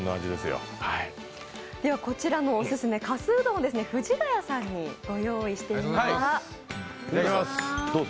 こちらのオススメ、かすうどんを藤ヶ谷さんにご用意しています。